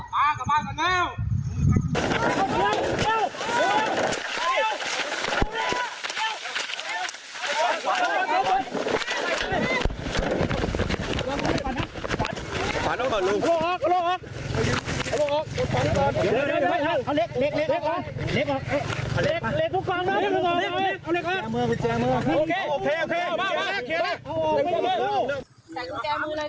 มากับบ้านเร็วมากับบ้านกันแล้ว